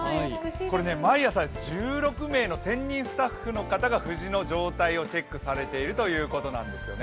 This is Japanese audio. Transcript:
これ、毎朝１６名の専任スタッフの方が藤の状態わチェックされているということなんですね。